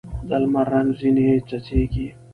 د لمر رنګ ځیني څڅېږي